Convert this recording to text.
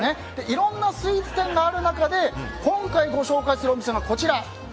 いろんなスイーツ店がある中で今回ご紹介するお店がこちら。